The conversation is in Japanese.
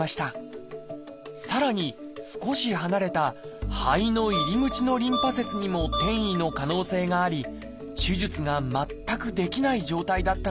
さらに少し離れた肺の入り口のリンパ節にも転移の可能性があり手術が全くできない状態だったのです。